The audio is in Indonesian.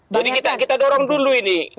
jadi kita dorong dulu ini